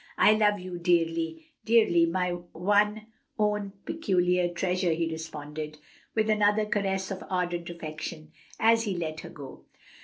"I love you dearly, dearly, my one own peculiar treasure," he responded, with another caress of ardent affection, as he let her go.